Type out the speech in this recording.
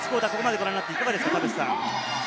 第１クオーター、ここまでご覧になっていかがですか？